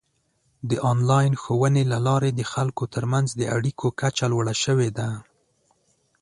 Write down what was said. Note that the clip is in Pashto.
د آنلاین ښوونې له لارې د خلکو ترمنځ د اړیکو کچه لوړه شوې ده.